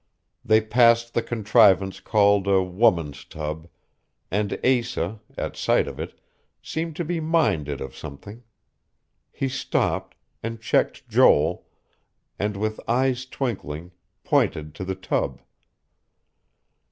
They passed the contrivance called a "woman's tub"; and Asa, at sight of it, seemed to be minded of something. He stopped, and checked Joel, and with eyes twinkling, pointed to the tub.